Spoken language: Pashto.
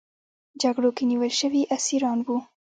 جګړو کې نیول شوي اسیران وو.